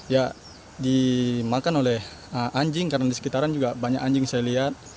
ya dimakan oleh anjing karena di sekitaran juga banyak anjing saya lihat